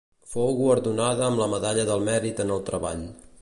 Fou guardonada amb la medalla al Mèrit en el Treball.